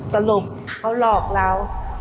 สรุปเขาหลอกเรา